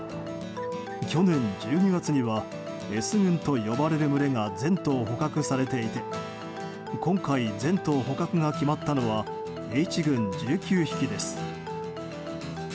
去年１２月にはＳ群と呼ばれる群れが全頭捕獲されていて今回、全頭捕獲が決まったのはＨ群１９匹です。